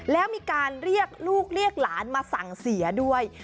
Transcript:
แล้วมีการเรียกลูกเรียกหลานมาสั่งเสียด้วย